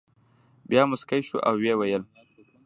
بیا مسکی شو او ویې ویل.